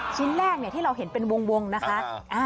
ชิ้นแรกที่เราเห็นเป็นวงนะคะ